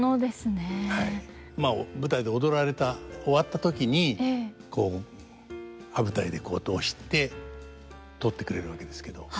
舞台で踊られた終わった時にこう羽二重でこう落として取ってくれるわけですけど。